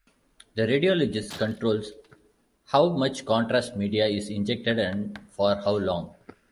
The radiologist controls how much contrast media is injected and for how long.